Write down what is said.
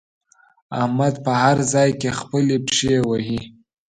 احمد په هر ځای کې خپلې پښې وهي.